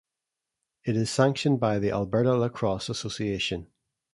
It is sanctioned by the Alberta Lacrosse Association.